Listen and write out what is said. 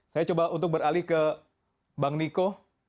saya coba untuk beralih ke bang niko